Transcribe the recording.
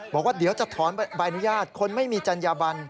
บอกว่าเดี๋ยวจะถอนใบอนุญาตคนไม่มีจัญญาบัน